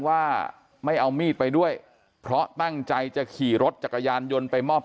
ว่าไม่เอามีดไปด้วยเพราะตั้งใจจะขี่รถจักรยานยนต์ไปมอบ